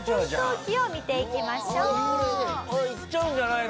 行っちゃうんじゃないの？